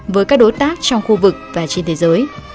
với các đối tác trong khu vực và trên thế giới